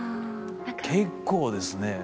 結構ですね。